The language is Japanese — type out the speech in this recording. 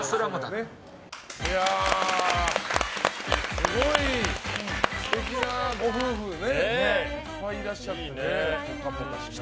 すごい素敵なご夫婦がいっぱいいらっしゃって。